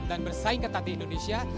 dan bersaing ketat di indonesia